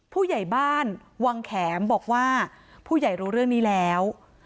ผู้ใหญ่บ้านวังแขมบอกว่าผู้ใหญ่รู้เรื่องนี้แล้ว